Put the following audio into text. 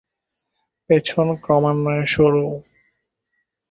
পেছন ক্রমান্বয়ে সরু।